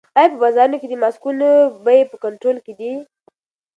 آیا په بازارونو کې د ماسکونو بیې په کنټرول کې دي؟